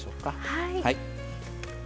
はい。